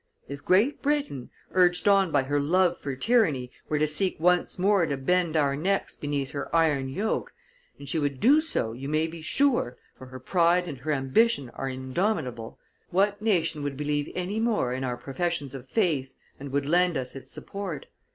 If Great Britain, urged on by her love for tyranny, were to seek once more to bend our necks beneath her iron yoke, and she would do so, you may be sure, for her pride and her ambition are indomitable, what nation would believe any more in our professions of faith and would lend us its support?